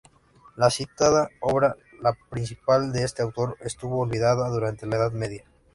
La citada obra, la principal de este autor, estuvo olvidada durante la Edad Media.